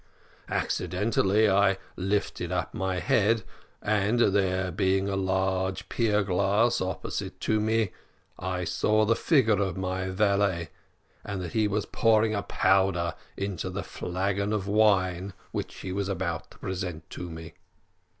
Accidentally I lifted up my head, and there being a large pier glass opposite to me, I saw the figure of my valet, and that he was pouring a powder in the flagon of wine which he was about to present to me.